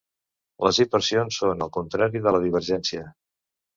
Les inversions són el contrari de la divergència.